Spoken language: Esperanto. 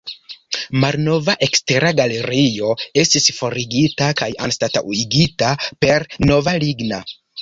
Malnova ekstera galerio estis forigita kaj anstataŭigita per nova ligna.